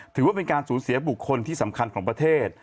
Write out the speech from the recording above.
ถือว่าเป็นการสูญเสียบุคคลที่สำคัญของประเทศ